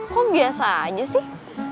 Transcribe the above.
kok biasa aja sih